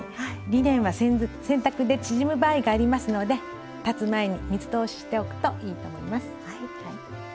リネンは洗濯で縮む場合がありますので裁つ前に水通ししておくといいと思います。